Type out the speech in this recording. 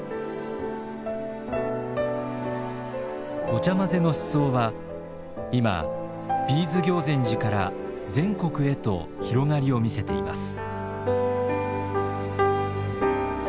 「ごちゃまぜ」の思想は今Ｂ’ｓ行善寺から全国へと広がりを見せています。